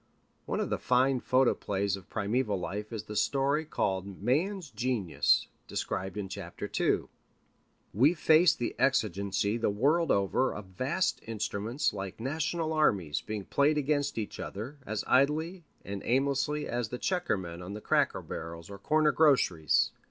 One of the fine photoplays of primeval life is the story called Man's Genesis, described in chapter two. We face the exigency the world over of vast instruments like national armies being played against each other as idly and aimlessly as the checker men on the cracker barrels of corner groceries.